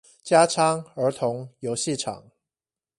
加昌兒童遊戲場